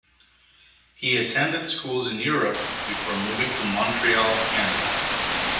He attended schools in Europe before moving to Montreal, Canada.